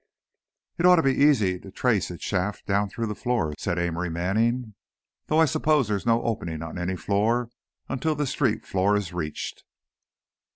"It ought to be easy to trace its shaft down through the floors," said Amory Manning. "Though I suppose there's no opening on any floor until the street floor is reached."